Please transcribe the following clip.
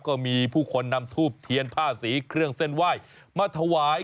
ก็มีผู้คนนำทูบเทียนผ้าสีเครื่องเส้นไหว้มาถวาย